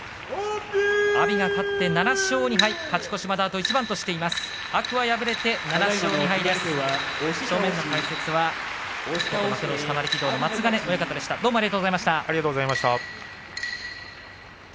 阿炎勝って７勝２敗、勝ち越しまであと一番天空海は敗れました。